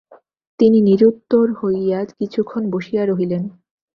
তিনি নিরুত্তর হইয়া কিছুক্ষণ বসিয়া রহিলেন।